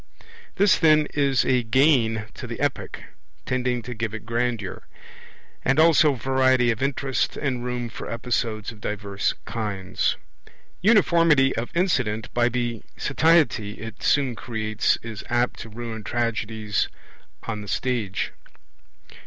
This then is a gain to the Epic, tending to give it grandeur, and also variety of interest and room for episodes of diverse kinds. Uniformity of incident by the satiety it soon creates is apt to ruin tragedies on the stage.